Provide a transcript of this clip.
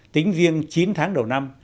tính riêng chín tháng đầu năm